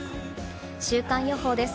週間予報です。